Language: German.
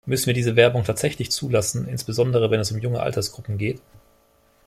Müssen wir diese Werbung tatsächlich zulassen, insbesondere wenn es um junge Altersgruppen geht?